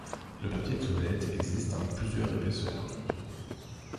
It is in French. Le papier toilette existe en plusieurs épaisseurs.